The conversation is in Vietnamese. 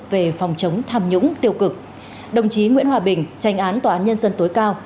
về phòng chống tham nhũng tiêu cực đồng chí nguyễn hòa bình tranh án tòa án nhân dân tối cao